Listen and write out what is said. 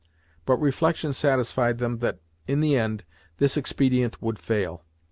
But reflection satisfied them that, in the end, this expedient would fail.